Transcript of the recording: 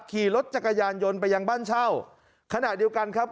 ขี่รถจักรยานยนต์ไปยังบ้านเช่าขณะเดียวกันครับ